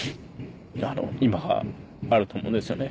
今があると思うんですよね。